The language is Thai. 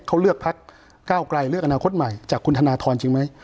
เขาเลือกพักเก้าไกลเลือกอนาคตใหม่จากคุณธนทรจริงไหม